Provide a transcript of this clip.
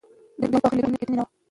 دوی په خپلو ليکنو کې رښتيني نه وو.